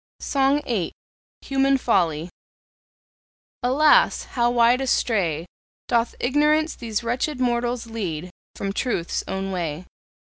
SONG VIII. HUMAN FOLLY. Alas! how wide astray Doth Ignorance these wretched mortals lead From Truth's own way!